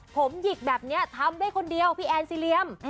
ผมหยิกแบบนี้ทำได้คนเดียวพี่แอนซีเรียม